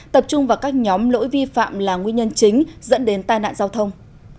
tập trung vào các nhóm lỗi vi phạm là nguyên nhân chính dẫn đến tai nạn giao thông